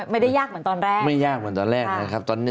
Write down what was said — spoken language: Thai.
ไม่ได้ยากเหมือนตอนแรก